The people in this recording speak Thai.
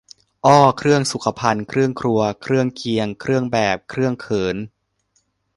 อ้อ เครื่องสุขภัณฑ์ เครื่องครัว เครื่องเคียง เครื่องแบบ เครื่องเขิน